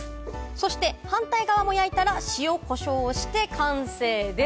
そして反対側も焼いたら塩コショウをして完成です。